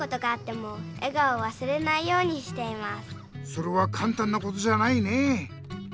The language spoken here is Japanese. それはかんたんなことじゃないねぇ。